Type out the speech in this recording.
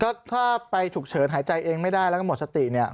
ก็ถ้าไปฉุกเฉินหายใจเองไม่ได้แล้วก็หมดสติเนี่ย